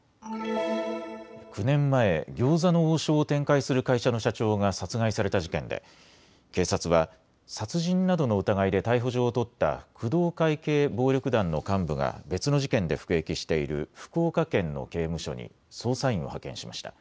９年前、餃子の王将を展開する会社の社長が殺害された事件で警察は殺人などの疑いで逮捕状を取った工藤会系暴力団の幹部が別の事件で服役している福岡県の刑務所に捜査員を派遣しました。